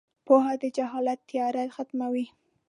• پوهه د جهالت تیاره ختموي.